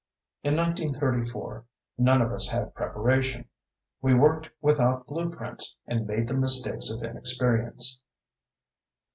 In 1934 none of us had preparation; we worked without blueprints and made the mistakes of inexperience.